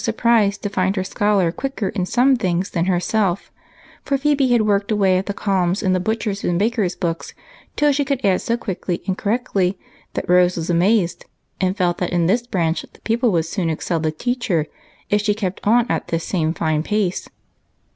surprised to find her scholar quicker in some things than herself, for Phebe had worked away at the col umns in the butcher's and baker's books till she could add so quickly and correctly that Rose was amazed, and felt that in this branch the pupil would soon excel the teacher if she kept on at the same pace.